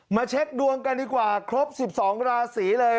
เช็คดวงกันดีกว่าครบ๑๒ราศีเลย